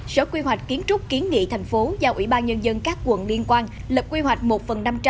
sở quy hoạch kiến trúc kiến nghị thành phố giao ủy ban nhân dân các quận liên quan lập quy hoạch một phần năm trăm linh